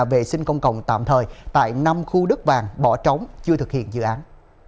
vệ sinh công cộng tạm thời tại năm khu đất vàng bỏ trống chưa thực hiện dự án